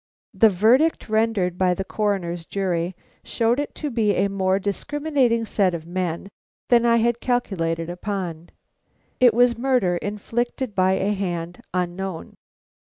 The verdict rendered by the Coroner's jury showed it to be a more discriminating set of men than I had calculated upon. It was murder inflicted by a hand unknown.